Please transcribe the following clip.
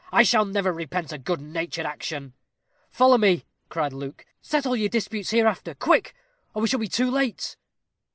"I shall never repent a good natured action." "Follow me," cried Luke; "settle your disputes hereafter. Quick, or we shall be too late."